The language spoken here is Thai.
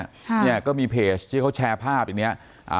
ค่ะเนี่ยก็มีเพจที่เขาแชร์ภาพอย่างเนี้ยอ่า